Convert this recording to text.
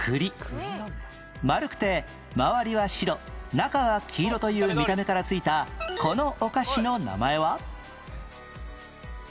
丸くて周りは白中は黄色という見た目から付いたこのお菓子の名前は？